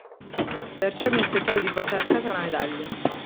Perciò mi aspettavo di portare a casa una medaglia.